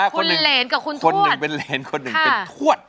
คนเหลนกับคนถวด